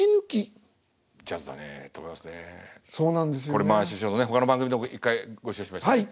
これ前師匠のねほかの番組でも一回ご一緒しましたね。